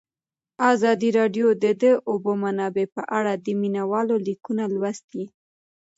ازادي راډیو د د اوبو منابع په اړه د مینه والو لیکونه لوستي.